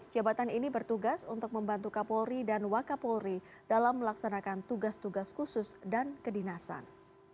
jabatan ini bertugas untuk membantu kapolri dan wakapolri dalam melaksanakan tugas tugas khusus dan kedinasan